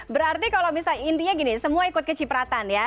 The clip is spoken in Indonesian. berarti kalau misalnya intinya gini semua ikut kecipratan ya